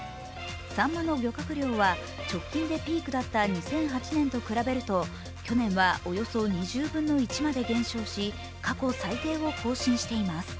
さんまの漁獲量は直近でピークだった２００８年と比べると、去年はおよそ２０分の１まで減少し過去最低を更新しています。